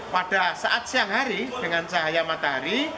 pada saat siang hari dengan cahaya matahari